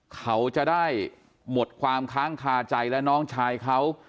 เขาจะได้หมดความค้างคาใจและน้องชายเขา